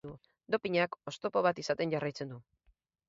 Dopinak oztopo bat izaten jarraitzen du.